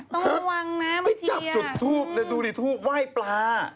ต้องระวังนะเมื่อกี้อะไปจับจุดทูปนะดูดีทูปไหว้ปลา